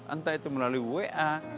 entah itu melalui wa